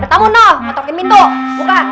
ada tamu noh otokin pintu buka